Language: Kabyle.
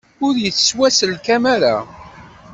Ur yettwaselkam ara.